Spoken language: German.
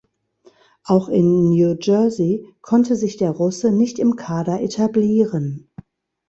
Auch in New Jersey konnte sich der Russe nicht im Kader etablieren.